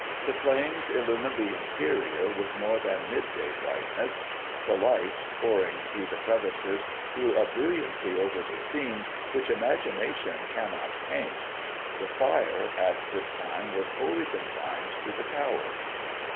The flames illumined the interior with more than mid day brightness; the light, pouring through the crevices, threw a brilliancy over the scene which imagination cannot paint. The fire, at this time, was wholly confined to the tower.